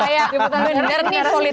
iya diputan dengaran